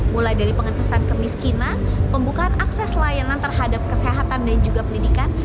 mulai dari pengentasan kemiskinan pembukaan akses layanan terhadap kesehatan dan juga pendidikan